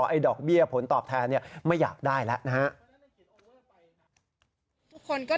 ไอ้ดอกเบี้ยผลตอบแทนไม่อยากได้แล้วนะครับ